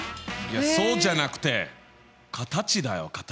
そうじゃなくて形だよ形。